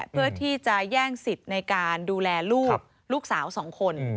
เพื่อที่จะแย่งสิทธิ์ในการดูแลลูกลูกสาวสองคน